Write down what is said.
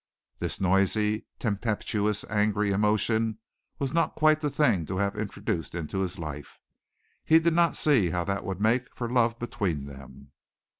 This noisy, tempestuous, angry emotion was not quite the thing to have introduced into his life. He did not see how that would make for love between them.